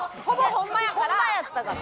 ホンマやったから。